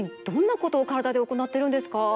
どんなことカラダでおこなってるんですか？